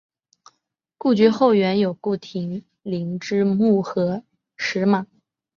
故居后园有顾亭林之墓和石马。